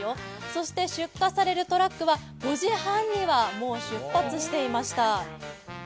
そして、出荷されるトラックは、５時半には、もう出発していました。